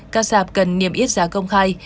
các sạp cần niềm yết giá công khai